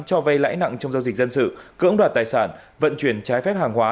cho vay lãi nặng trong giao dịch dân sự cưỡng đoạt tài sản vận chuyển trái phép hàng hóa